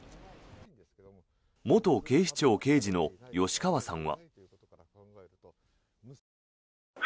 元警視庁刑事の吉川さんは。